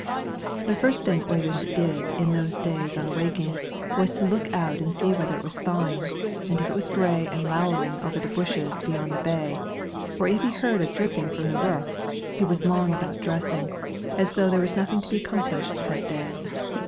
The first thing Oyvind did in those days on awaking, was to look out and see whether it was thawing, and if it was gray and lowering over the bushes beyond the bay, or if he heard a dripping from the roof, he was long about dressing, as though there were nothing to be accomplished that day.